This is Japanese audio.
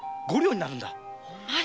五両になるんだ